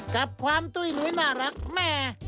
กับความตุ้ยหนุ้ยน่ารักแม่